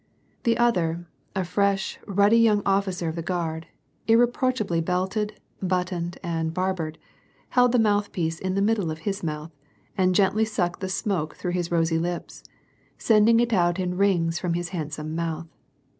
The other, a fresh, ruddy young officer of the Guard, irre proachably belted, buttoned, and barbered, held the mouth piece in the middle of his mouth, and gently sucked the smoke through his rosy lips, sending it out in rings from his hand some mouth.